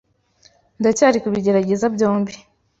ndacyari kubigerageza byombi